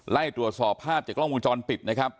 ไล่ตรวจสอบภาพจากกล้องวงจรปิดนะครับ